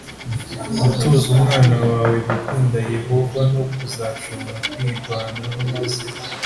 gutoza umwana wawe gukunda Yehova no kuzashobora kwirwanaho amaze